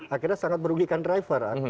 akhirnya sangat merugikan driver